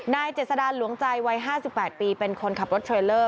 เจษดาหลวงใจวัย๕๘ปีเป็นคนขับรถเทรลเลอร์